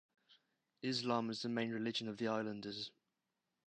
Islam is the main religion of the islanders.